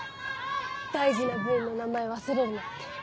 大事な部員の名前忘れるなんて。